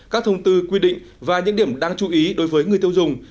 các thông tư quy định và những điểm đáng chú ý đối với người tiêu dùng